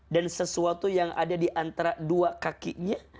sesuatu yang ada di antara dua kakinya